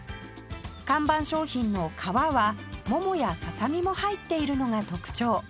看板商品の「かわ」はももやささみも入っているのが特徴